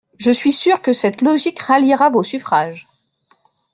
Je suis sûre que cette logique ralliera vos suffrages.